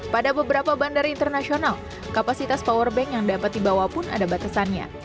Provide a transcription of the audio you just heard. pada beberapa bandara internasional kapasitas powerbank yang dapat dibawa pun ada batasannya